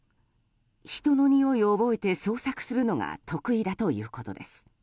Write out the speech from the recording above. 人のにおいを覚えて捜索するのが得意だということです。